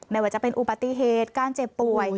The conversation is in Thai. ไม่ว่าจะเป็นอุบัติเหตุการเจ็บป่วย